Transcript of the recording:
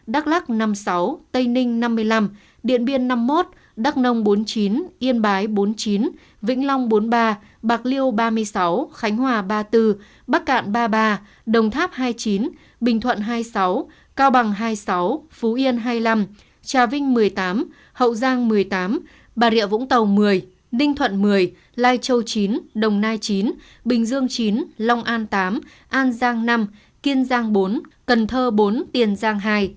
đắk lắc năm mươi sáu tây ninh năm mươi năm điện biên năm mươi một đắk nông bốn mươi chín yên bái bốn mươi chín vĩnh long bốn mươi ba bạc liêu ba mươi sáu khánh hòa ba mươi bốn bắc cạn ba mươi ba đồng tháp hai mươi chín bình thuận hai mươi sáu cao bằng hai mươi sáu phú yên hai mươi năm trà vinh một mươi tám hậu giang một mươi tám bà rịa vũng tàu một mươi ninh thuận một mươi lai châu chín đồng nai chín bình dương chín long an tám an giang năm kiên giang bốn cần thơ bốn tiền giang hai